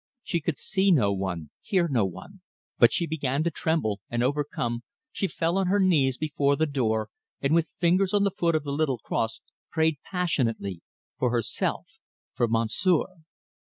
She could see no one, hear no one, but she began to tremble, and, overcome, she fell on her knees before the door, and, with her fingers on the foot of the little cross, prayed passionately; for herself, for Monsieur.